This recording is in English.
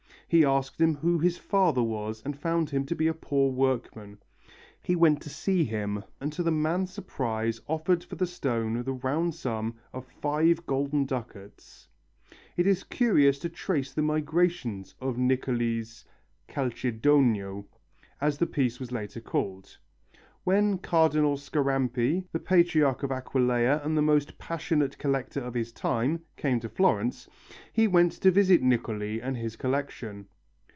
He asked him who his father was and found him to be a poor workman. He went to see him, and to the man's surprise offered for the stone the round sum of 5 golden ducats. It is curious to trace the migrations of Niccoli's "calcedonio," as the piece was called later. When Cardinal Scarampi the Patriarch of Aquileia and the most passionate collector of his time came to Florence, he went to visit Niccoli and his collection.